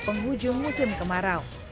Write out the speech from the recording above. pada tahun hujung musim kemarau